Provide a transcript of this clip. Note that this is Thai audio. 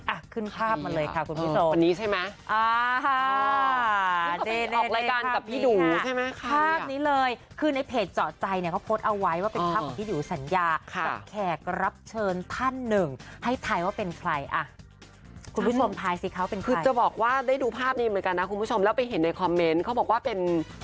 อ่ะขึ้นภาพมาเลยค่ะคุณพี่โซนิใช่ไหมอ่าอ่าออกรายการกับพี่ดูใช่ไหมภาพนี้เลยคือในเพจเจาะใจเนี้ยเขาโพสต์เอาไว้ว่าเป็นภาพที่ดูสัญญาค่ะแขกรับเชิญท่านหนึ่งให้ถ่ายว่าเป็นใครอ่ะคุณผู้ชมถ่ายสิเขาเป็นใครคือจะบอกว่าได้ดูภาพนี้เหมือนกันนะคุณผู้ชมแล้วไปเห็นในคอมเม้นต์เขาบอกว่าเป็